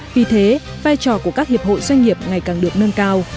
vì thế vai trò của các hiệp hội doanh nghiệp ngày càng được nâng cao